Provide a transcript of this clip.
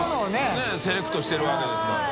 佑Аセレクトしてるわけですから。